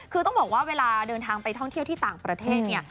คือต้องบอกว่าเวลาเดินทางไปท่องเที่ยวที่ต่างประเทศเนี่ย